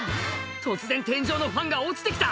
突然天井のファンが落ちて来た